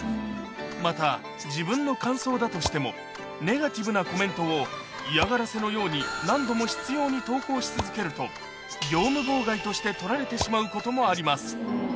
また自分の感想だとしてもネガティブなコメントを嫌がらせのように何度も執拗に投稿し続けると業務妨害として取られてしまうこともあります